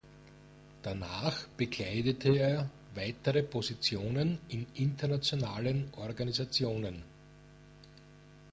Danach bekleidete er weitere Positionen in internationalen Organisationen.